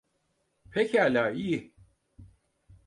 Pekala, iyi.